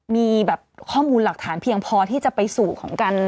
มีแบบข้อมูลหลักฐานเพียงพอที่จะไปสู่ของการ